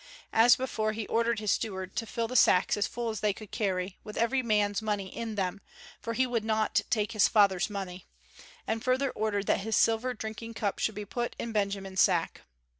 As before, he ordered his steward to fill the sacks as full as they could carry, with every man's money in them, for he would not take his father's money; and further ordered that his silver drinking cup should be put in Benjamin's sack.